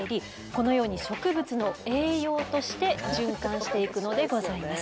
このように植物の栄養として循環していくのでございます。